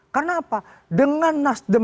karena apa dengan nasdaq